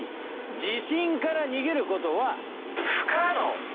地震から逃げることは不可能。